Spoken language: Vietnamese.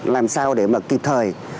làm sao để mà kịp thời